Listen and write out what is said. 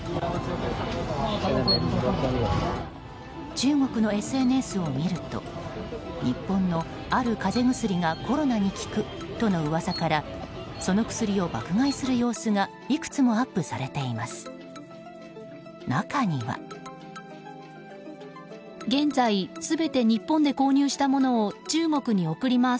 中国のＳＮＳを見ると日本のある風邪薬がコロナに効くとの噂からその薬を爆買いする様子がいくつもアップされています。